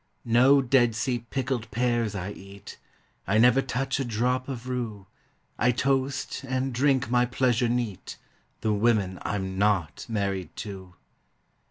No Dead Sea pickled pears I eat; I never touch a drop of rue; I toast, and drink my pleasure neat, The women I'm not married to!